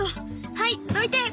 はいどいて。